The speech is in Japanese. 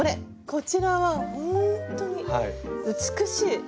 こちらはほんとに美しい！